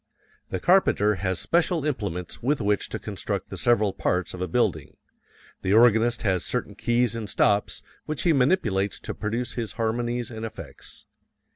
The carpenter has special implements with which to construct the several parts of a building. The organist has certain keys and stops which he manipulates to produce his harmonies and effects.